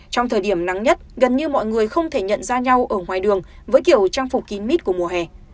trong thời điểm nắng nhất gần như mọi người không thể nhận ra nhau ở ngoài đường với kiểu trang phục kín mít của mùa hè